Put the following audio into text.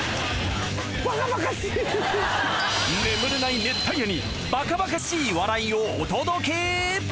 眠れない熱帯夜にバカバカしい笑いをお届け！